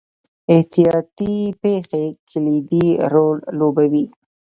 احتیاطي پېښې کلیدي رول لوبوي.